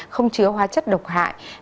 không chứa hóa chất độc hại